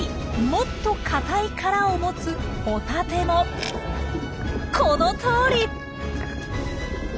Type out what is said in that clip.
もっと硬い殻を持つホタテもこのとおり！